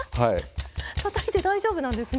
たたいて大丈夫なんですね。